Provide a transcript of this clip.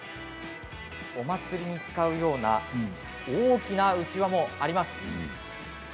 お祭りに使うような大きなうちわもあります。